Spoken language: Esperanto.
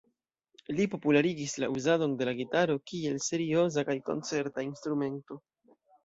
Li popularigis la uzadon de la gitaro kiel serioza kaj koncerta instrumento.